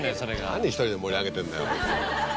何１人で盛り上げてんだよ。